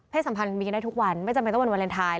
สัมพันธ์มีกันได้ทุกวันไม่จำเป็นต้องวันวาเลนไทย